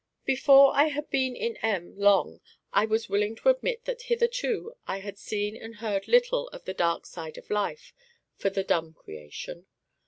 Before I had been in M long I was willing to admit that hitherto I had seen and heard little of the dark side of life for the dumb creation.